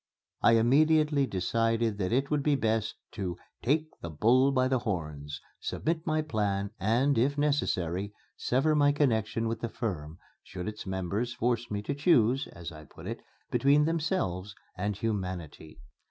I immediately decided that it would be best to "take the bull by the horns," submit my plans, and, if necessary, sever my connection with the firm, should its members force me to choose (as I put it) between themselves and Humanity.